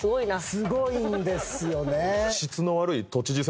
すごいんですよね。